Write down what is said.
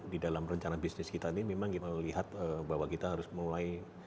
di dalam rencana bisnis kita ini memang kita melihat bahwa kita harus mulai